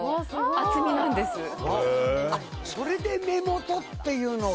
あっそれで目元っていうのが。